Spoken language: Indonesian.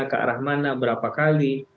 ke arah mana berapa kali